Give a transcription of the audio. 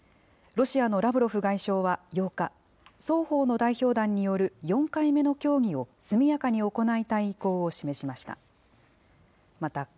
ロシアのラブロフ外相は８日、双方の代表団による４回目の協議を速やかに行いたい意向を示しました。